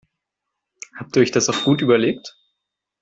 Habt ihr euch das auch gut überlegt?